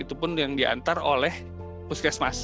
itu pun yang diantar oleh puskesmas